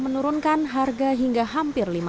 menurunkan harga hingga hampir